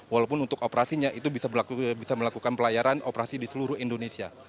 walaupun untuk operasinya itu bisa melakukan pelayaran operasi di seluruh indonesia